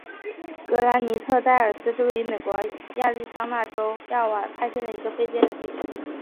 格兰尼特戴尔斯是位于美国亚利桑那州亚瓦派县的一个非建制地区。